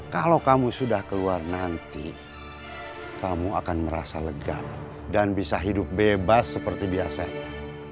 kalau kamu sudah keluar nanti kamu akan merasa lega dan bisa hidup bebas seperti biasanya